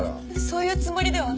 そういうつもりでは。